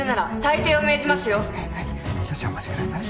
少々お待ちください。